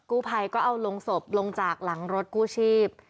กู้ภัยก็เอาลงศพลงจากหลังรถกู้ชีพ